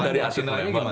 dari aslinya gimana